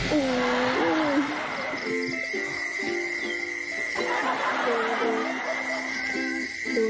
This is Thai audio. ดูนะดู